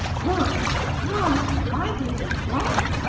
"Drunk! Drunk!! My baby drunk!!